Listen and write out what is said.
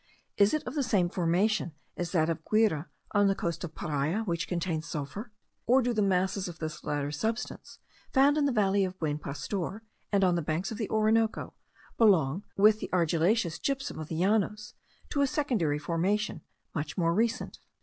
Is it of the same formation as that of Guire, on the coast of Paria, which contains sulphur? or do the masses of this latter substance, found in the valley of Buen Pastor and on the banks of the Orinoco, belong, with the argillaceous gypsum of the Llanos, to a secondary formation much more recent.